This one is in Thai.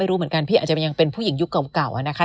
ไม่รู้เหมือนกันพี่อาจจะยังเป็นผู้หญิงยุคเก่า